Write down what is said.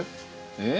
え？